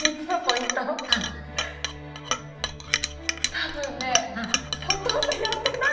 多分ねほとんどやってない。